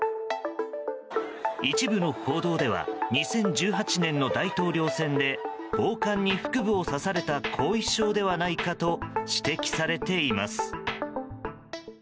一部の報道では２０１８年の大統領選で暴漢に腹部を刺された後遺症ではないかと指摘されています。